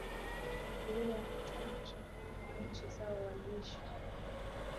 ni Milima ya Altai Mashariki mwa nchi zao waliishi